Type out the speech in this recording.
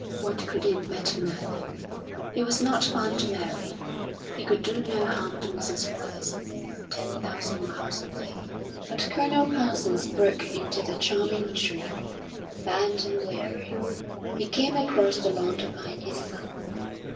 What could it matter now? He was not bound to Mary; he could do no harm to Mrs. Wallace, ten thousand miles away. But Colonel Parsons broke into the charming dream. Bent and weary, he came across the lawn to find his son.